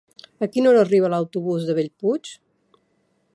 A quina hora arriba l'autobús de Bellpuig?